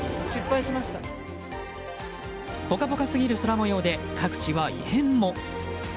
ポカポカすぎる空模様で各地は異変も。